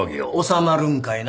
収まるんかいな？